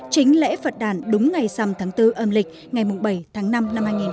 chính lễ phật đàn đúng ngày năm tháng bốn âm lịch ngày bảy tháng năm năm hai nghìn hai mươi bốn